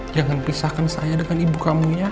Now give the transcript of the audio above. jangan pisahkan saya dengan ibu kamu